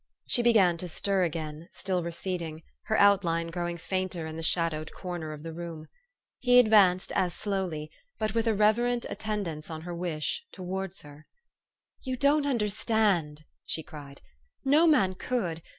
She began to stir again, still receding, her outline growing fainter in the shadowed corner of the room. He advanced as slowly, but with a reverent attend ance on her wish, towards her. " You don't understand !" she cried. " No man could.